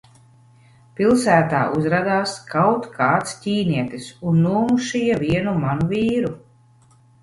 Pilsētā uzradās kaut kāds ķīnietis un nomušīja vienu manu vīru.